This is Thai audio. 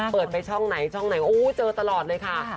เปิดไปช่องไหนช่องไหนโอ้เจอตลอดเลยค่ะ